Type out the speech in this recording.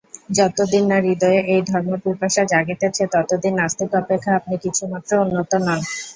যতদিন না হৃদয়ে এই ধর্মপিপাসা জাগিতেছে, ততদিন নাস্তিক অপেক্ষা আপনি কিছুমাত্র উন্নত নন।